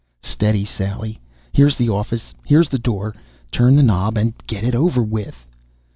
_Steady, Sally! Here's the office, here's the door. Turn the knob and get it over with